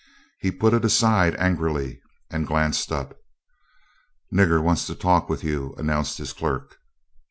He put it aside angrily and glanced up. "Nigger wants to talk with you," announced his clerk.